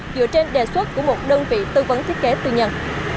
dựa trên đề xuất của một đơn vị tư vấn thiết kế tư nhân